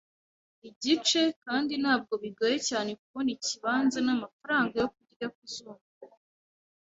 igice, kandi ntabwo bigoye cyane kubona ikibanza, namafaranga yo kurya, kuzunguruka,